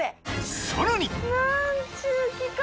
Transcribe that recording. ［さらに］